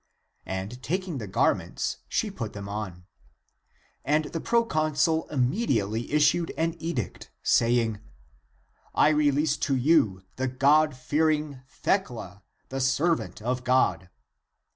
And taking the gar ments, she put them on. And the proconsul immediately issued an edict, saying, " I release to you the God fearing Thecla, the servant of God."